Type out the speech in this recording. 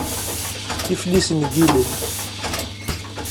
Iflisen n yilel.